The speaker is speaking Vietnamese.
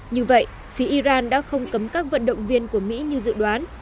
như vậy phía iran đã không cấm các vận động viên của mỹ như dự đoán